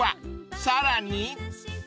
［さらに］